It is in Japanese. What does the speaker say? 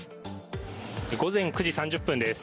午前９時３０分です。